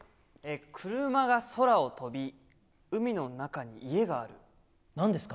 車が空を飛び、海の中に家がなんですか？